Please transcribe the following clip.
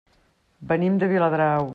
Venim de Viladrau.